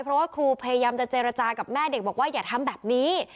เพราะว่าครูพยายามจะเจรจากับแม่เด็กบอกว่าอย่าทำแบบนี้